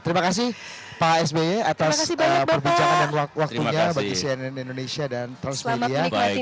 terima kasih pak sby atas perbincangan dan waktunya bagi cnn indonesia dan transmedia